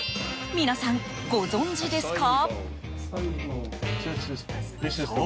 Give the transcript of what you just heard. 皆さんご存じですか？